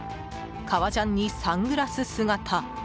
革ジャンにサングラス姿。